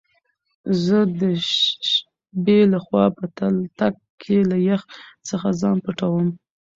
زه دشبی له خوا په تلتک کی له يخ ځخه ځان پټوم